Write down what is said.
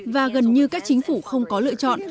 và gần như các chính phủ không có lựa chọn